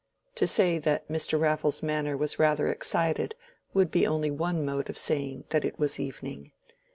To say that Mr. Raffles' manner was rather excited would be only one mode of saying that it was evening.